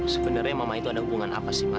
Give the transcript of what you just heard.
sebenernya mama itu ada hubungan apa sih ma